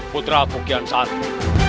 putra kukian sari